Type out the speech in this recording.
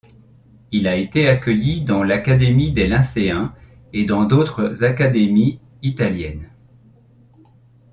Il a été accueilli dans l’Académie des Lyncéens et dans d’autres académies italiennes.